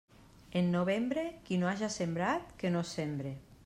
En novembre, qui no haja sembrat, que no sembre.